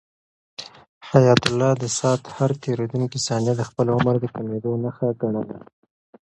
حیات الله د ساعت هر تېریدونکی ثانیه د خپل عمر د کمېدو نښه ګڼله.